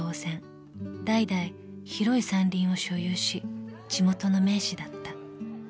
［代々広い山林を所有し地元の名士だった］